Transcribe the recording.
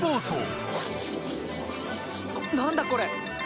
何だこれ。